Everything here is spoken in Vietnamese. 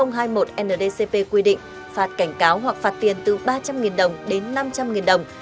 nhiều người nuôi chó có thể bị phạt cảo hoặc phạt tiền từ ba trăm linh đồng đến năm trăm linh đồng